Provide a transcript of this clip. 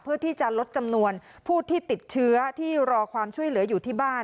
เพื่อที่จะลดจำนวนผู้ที่ติดเชื้อที่รอความช่วยเหลืออยู่ที่บ้าน